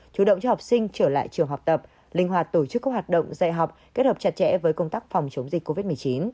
chủ động cho học sinh trở lại trường học tập linh hoạt tổ chức các hoạt động dạy học kết hợp chặt chẽ với công tác phòng chống dịch covid một mươi chín